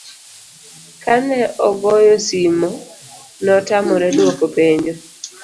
kane ogoye simo, notamore dwoko penjo